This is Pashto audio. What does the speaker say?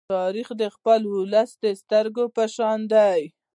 تاریخ د خپل ولس د سترگې په شان دی.